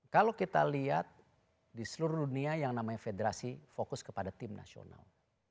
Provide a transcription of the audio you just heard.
kalau kita lihat di seluruh dunia yang namanya federasi fokus kepada tim nasional